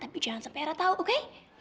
tapi jangan sampe era tau oke